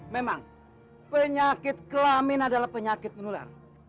memang penyakit kelamin adalah penyakit menular